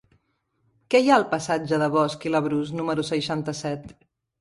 Què hi ha al passatge de Bosch i Labrús número seixanta-set?